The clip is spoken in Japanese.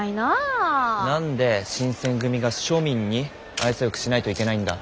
何で新選組が庶民に愛想よくしないといけないんだ。